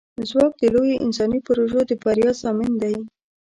ځواک د لویو انساني پروژو د بریا ضامن دی.